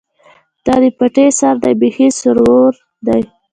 ـ دا دې پټي سر دى ،بېخ يې سورور دى.